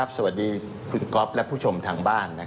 สวัสดีคุณก๊อฟและผู้ชมทางบ้าน